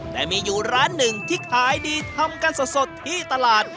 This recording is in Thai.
แต่มีอยู่ร้านหนึ่งที่ขายดีทำกันสดที่ตลาด